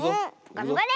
がんばれ！